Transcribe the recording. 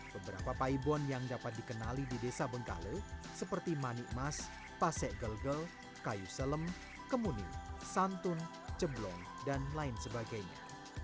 beberapa paibon yang dapat dikenali di desa bengkale seperti manikmas pasek gelgel kayu selem kemuning santun ceblong dan lain sebagainya